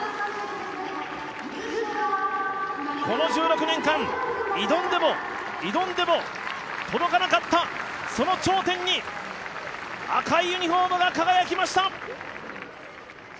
この１６年間、挑んでも挑んでも届かなかった、その頂点に赤いユニフォームが輝きました。